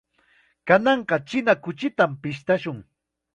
Kananqa china kuchitam pishtashun.